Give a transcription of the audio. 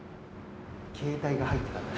携帯が入ってたので。